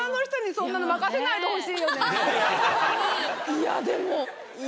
いやでも。